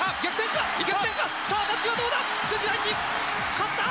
勝った！